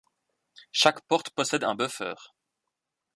Chaque porte possède un buffer.